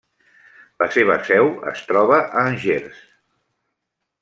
La seva seu es troba a Angers.